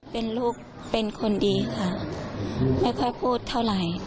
เป็นลูกเป็นคนดีค่ะไม่ค่อยพูดเท่าไหร่